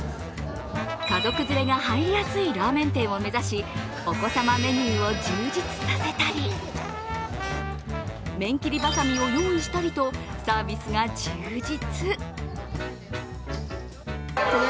家族連れが入りやすいラーメン店を目指しお子さまメニューを充実させたり、麺切りばさみを用意したりとサービスが充実。